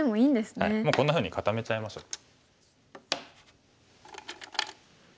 こんなふうに固めちゃいましょう。